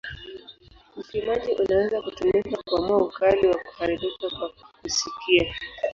Upimaji unaweza kutumika kuamua ukali wa kuharibika kwa kusikia.